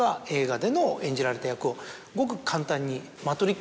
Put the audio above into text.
ごく簡単に。